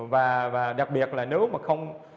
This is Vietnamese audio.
và đặc biệt là nếu mà không